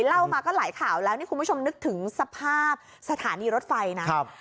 เล่ามาก็หลายข่าวแล้วนี่คุณผู้ชมนึกถึงสภาพสถานีรถไฟนะครับ